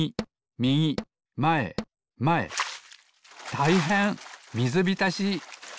たいへんみずびたし！